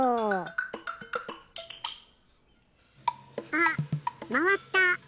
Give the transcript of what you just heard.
あっまわった！